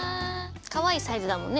かわいいサイズだもんね。